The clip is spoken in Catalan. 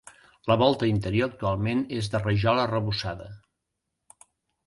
La volta interior actualment és de rajola arrebossada.